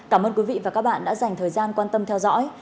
cảm ơn quý vị và các bạn đã dành thời gian quan tâm theo dõi